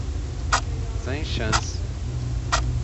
Sem chance!